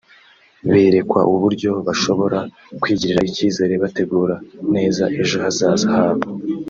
berekwa uburyo bashobora kwigirira icyizere bategura neza ejo hazaza habo